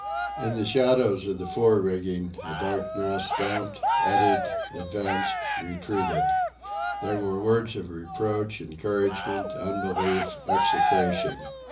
In the shadows of the fore rigging a dark mass stamped, eddied, advanced, retreated. There were words of reproach, encouragement, unbelief, execration.